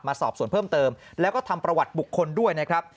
สอบส่วนเพิ่มเติมแล้วก็ทำประวัติบุคคลด้วยนะครับ